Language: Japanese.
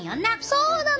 そうなの！